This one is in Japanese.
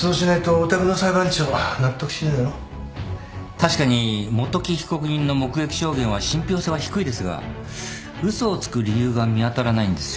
確かに元木被告人の目撃証言は信ぴょう性は低いですが嘘をつく理由が見当たらないんですよ。